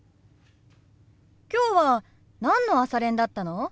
今日は何の朝練だったの？